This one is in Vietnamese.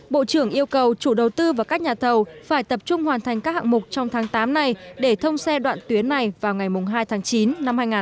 bộ trưởng yêu cầu chủ đầu tư và các nhà thầu phải tập trung hoàn thành các hạng mục trong tháng tám này để thông xe đoạn tuyến này vào ngày hai tháng chín năm hai nghìn hai mươi